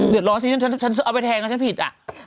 เดือดร้อนสิฉันเอาไปแทงนะฉันผิดอ่ะ